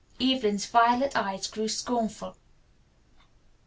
Evelyn's violet eyes grew scornful.